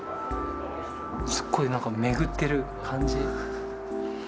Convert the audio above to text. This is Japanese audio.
すごい何か巡ってる感じ。